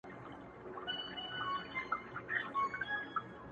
سپوږمۍ په لپه کي هغې په تماسه راوړې-